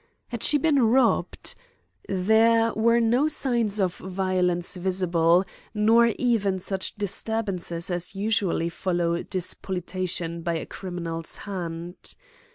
Had she been robbed? There were no signs of violence visible nor even such disturbances as usually follow despoliation by a criminal's hand.